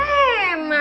gak boleh lemah